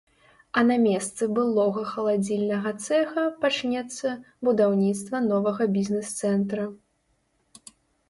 А на месцы былога халадзільнага цэха пачнецца будаўніцтва новага бізнес-цэнтра.